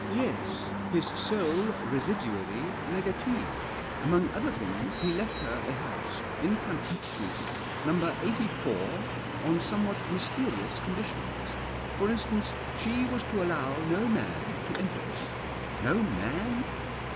"Yes; his sole residuary legatee. Among other things he left her a house in Camford Street — No 84 — on somewhat mysterious conditions. For instance, she was to allow no man to enter it." " No man